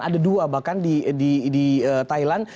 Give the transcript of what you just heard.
ada dua bahkan di thailand